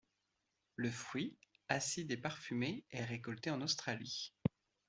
Le fruit, acide et parfumé est récolté en Australie.